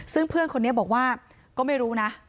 ซึ่งเพื่อนคนนี้บอกว่าก็ไม่รู้นะ